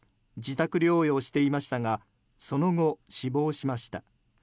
自宅療養していましたがその後、死亡しました。